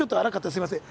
すいません。